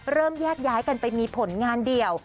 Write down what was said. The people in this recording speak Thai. แยกย้ายกันไปมีผลงานเดี่ยว